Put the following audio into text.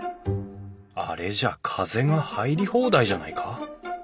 あれじゃ風が入り放題じゃないか。